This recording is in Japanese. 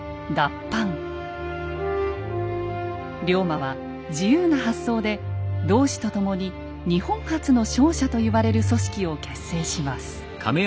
龍馬は自由な発想で同志と共に日本初の商社と言われる組織を結成します。